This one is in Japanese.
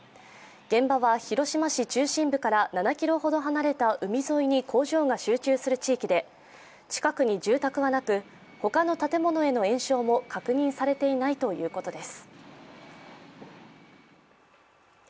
現場は広島市中心部から７ｋｍほど離れた海沿いに工場が集中する地域で、近く住宅はなく、ほかの建物への延焼も天気予報です。